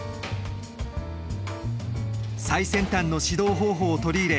最先端の指導方法を取り入れ